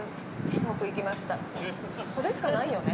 それしかないよね。